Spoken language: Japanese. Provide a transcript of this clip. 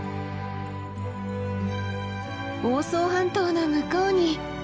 房総半島の向こうに！